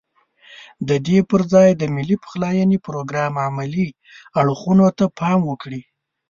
ددې پرځای د ملي پخلاينې پروګرام عملي اړخونو ته پام وکړي.